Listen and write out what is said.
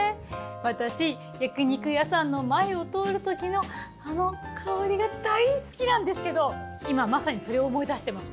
私焼き肉屋さんの前を通るときのあの香りが大好きなんですけど今まさにそれを思い出してます。